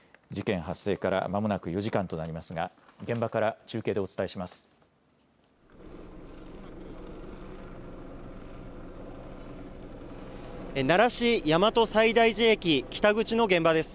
事件発生からまもなく４時間となりますが現場から中継でお伝えします。